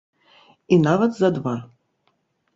І нават за два.